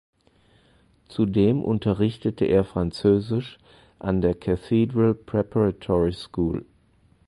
Zudem unterrichtete er Französisch an der "Cathedral Preparatory School".